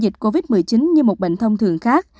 dịch covid một mươi chín như một bệnh thông thường khác